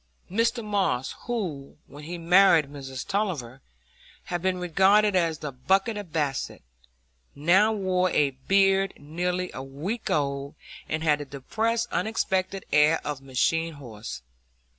Mr Moss, who, when he married Miss Tulliver, had been regarded as the buck of Basset, now wore a beard nearly a week old, and had the depressed, unexpectant air of a machine horse.